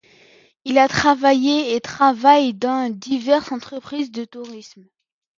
Il a travaillé, et travaille, dans diverses entreprises de tourisme.